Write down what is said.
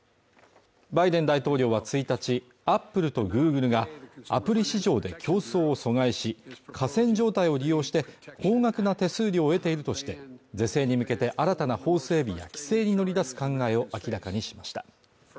バイデン大統領は１日アップルとグーグルがアプリ市場で競争を阻害し寡占状態を利用して高額な手数料を得ているとして是正に向けて新たな法整備や規制に乗り出す考えを明らかにしました